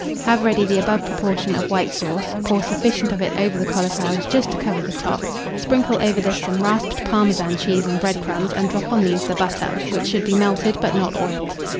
Have ready the above proportion of white sauce; pour sufficient of it over the cauliflowers just to cover the top; sprinkle over this some rasped Parmesan cheese and bread crumbs, and drop on these the butter, which should be melted, but not oiled.